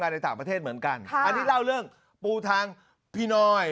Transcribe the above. ในต่างประเทศเหมือนกันค่ะอันนี้เล่าเรื่องปูทางพี่น้อย